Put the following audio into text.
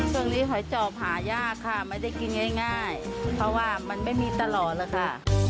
ช่วงนี้หอยจอบหายากค่ะไม่ได้กินง่ายเพราะว่ามันไม่มีตลอดแล้วค่ะ